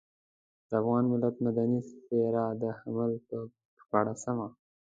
د افغان ملت مدني څېره د حمل پر شپاړلسمه.